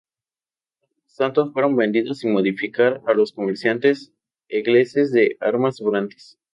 Otros tantos fueron vendidos sin modificar a comerciantes ingleses de armas sobrantes.